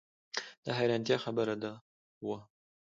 د حیرانتیا خبره دا وه.